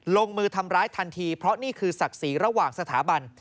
ลงมือทำร้ายทันทีเพราะนี่คือศักดิ์ศรีระหว่างสถาบัน